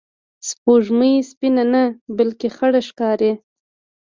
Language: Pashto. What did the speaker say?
سپوږمۍ سپینه نه، بلکې خړه ښکاري